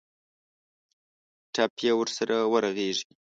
ټپ یې ورسره ورغېږي.